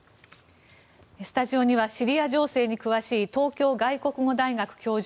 スタジオにはシリア情勢に詳しい東京外国語大学教授